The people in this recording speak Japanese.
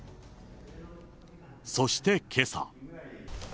そしてけさ。